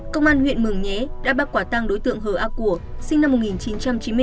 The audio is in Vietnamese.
công an huyện mường nhé đã bắt quả tăng đối tượng hờ a của sinh năm một nghìn chín trăm chín mươi bốn